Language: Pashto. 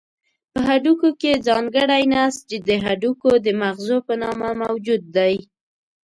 په هډوکو کې ځانګړی نسج د هډوکو د مغزو په نامه موجود دی.